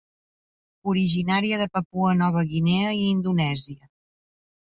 Originària de Papua Nova Guinea i Indonèsia.